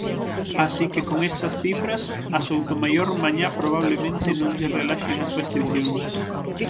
Así que con estas cifras, a Soutomaior mañá probablemente non lle relaxen as restricións.